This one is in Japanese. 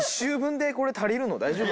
大丈夫？